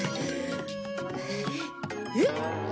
えっ？